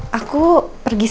mau kemana lagi ma